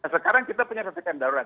sekarang kita punya ppkm darurat